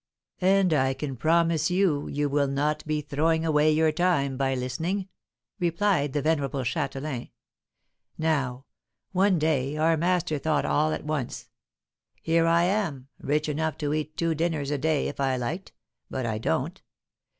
"And I can promise you you will not be throwing away your time by listening," replied the venerable Châtelain. "Now, one day our master thought all at once: 'Here am I, rich enough to eat two dinners a day if I liked, but I don't.